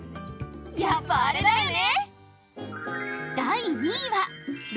やっぱあれだよね！